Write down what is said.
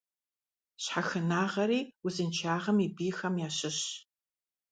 Щхьэхынагъэри узыншагъэм и бийхэм ящыщщ.